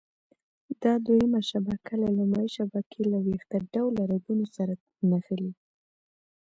دا دویمه شبکه له لومړۍ شبکې له ویښته ډوله رګونو سره نښلي.